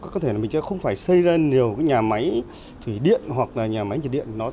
có thể mình sẽ không phải xây ra nhiều nhà máy thủy điện hoặc nhà máy nhiệt điện